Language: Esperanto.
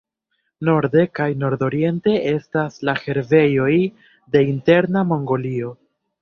Norde kaj nordoriente estas la herbejoj de Interna Mongolio.